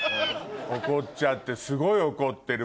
怒っちゃってすごい怒ってる。